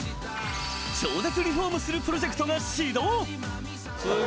超絶リフォームするプロジェクトが始動！